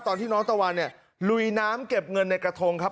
ตอนที่น้องตะวันเนี่ยลุยน้ำเก็บเงินในกระทงครับ